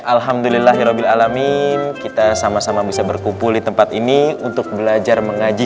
alhamdulillahirobbilalamin kita sama sama bisa berkumpul di tempat ini untuk belajar mengaji